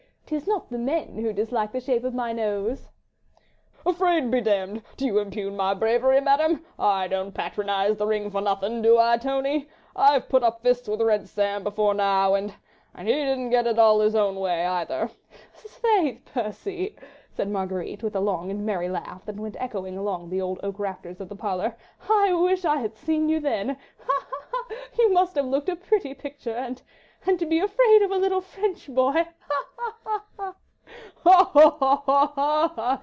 'Tis not the men who dislike the shape of my nose." "Afraid be demmed! Do you impugn my bravery, Madame? I don't patronise the ring for nothing, do I, Tony? I've put up the fists with Red Sam before now, and—and he didn't get it all his own way either—" "S'faith, Sir Percy," said Marguerite, with a long and merry laugh, that went echoing along the old oak rafters of the parlour, "I would I had seen you then ... ha! ha! ha! ha!—you must have looked a pretty picture ... and ... and to be afraid of a little French boy ... ha! ha! ... ha! ha!" "Ha! ha! ha!